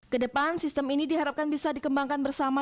kedepan sistem ini diharapkan bisa dikembangkan bersama